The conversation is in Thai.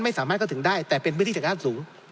ไม่สามารถเข้าถึงได้แต่เป็นพฤธิศาสตร์สูง